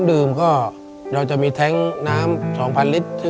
ในแคมเปญพิเศษเกมต่อชีวิตโรงเรียนของหนู